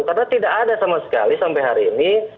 karena tidak ada sama sekali sampai hari ini